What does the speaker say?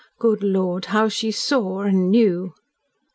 Good Lord, how she SAW and KNEW!